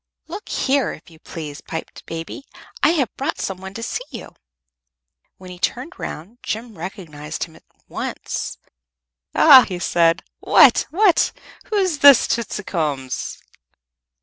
"Look here, if you please," piped Baby, "I have brought some one to see you." When he turned round, Jem recognized him at once. "Eh! Eh!" he said. "What! What! Who's this, Tootsicums?"